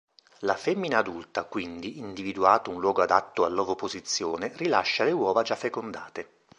La femmina adulta, quindi, individuato un luogo adatto all'ovoposizione, rilascia le uova già fecondate.